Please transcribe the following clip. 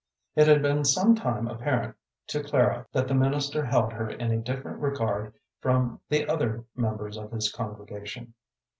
It had been some time apparent to Clara that the minister held her in a different regard from the other members of his congregation.